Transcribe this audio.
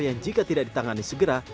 yang jika tidak ditangani segera